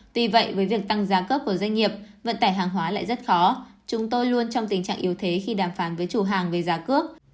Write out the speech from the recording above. tuy vậy với việc tăng giá cước của doanh nghiệp vận tải hàng hóa lại rất khó chúng tôi luôn trong tình trạng yếu thế khi đàm phán với chủ hàng về giá cước